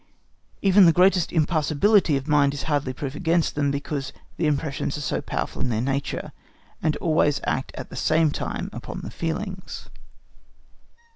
Even the greatest impassibility of mind is hardly proof against them, because the impressions are powerful in their nature, and always act at the same time upon the feelings.